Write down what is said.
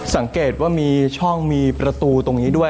สังเกตว่ามีช่องมีประตูตรงนี้ด้วย